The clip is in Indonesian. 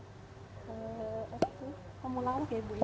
temulawak ya ibu